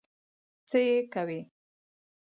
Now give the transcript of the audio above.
څه يې کوې؟